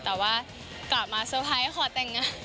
แต่ว่ากลับมาเตอร์ไพรส์ขอแต่งงาน